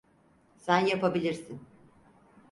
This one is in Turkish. Sen yapabilirsin.